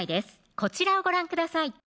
こちらをご覧ください